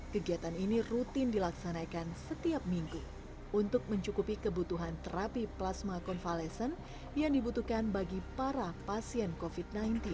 kegiatan ini rutin dilaksanakan setiap minggu untuk mencukupi kebutuhan terapi plasma konvalesen yang dibutuhkan bagi para pasien covid sembilan belas